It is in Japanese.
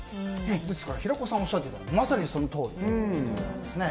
平子さんがおっしゃっていたのはまさにそのとおりなんですね。